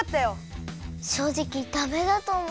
しょうじきダメだとおもった。